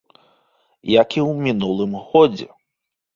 Як і ў мінулым годзе.